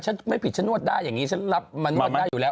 ถ้าสมมุติไม่ผิดจะนวดได้อย่างงี้จะรับมันนวดได้อยู่แล้ว